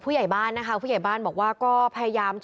เป็นขั้นไหมครับว่า